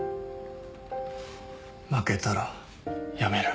負けたら辞める。